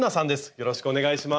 よろしくお願いします。